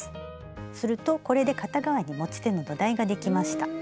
するとこれで片方に持ち手の土台ができました。